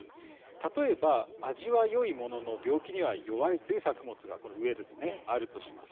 例えば味はよいものの病気には弱いという作物が、あります。